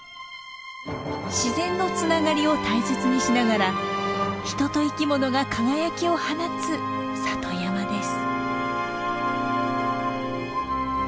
自然のつながりを大切にしながら人と生き物が輝きを放つ里山です。